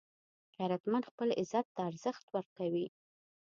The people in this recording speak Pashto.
غیرتمند خپل عزت ته ارزښت ورکوي